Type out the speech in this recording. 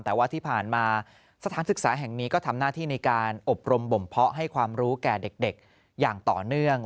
แต่ว่าที่ผ่านมาสถานศึกษาแห่งนี้ก็ทำหน้าที่ในการอบรมบ่มเพาะให้ความรู้แก่เด็กอย่างต่อเนื่อง